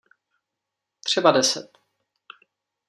Třeba deset.